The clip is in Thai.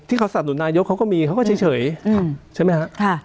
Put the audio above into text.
เขาสนับหนุนนายกเขาก็มีเขาก็เฉยใช่ไหมฮะ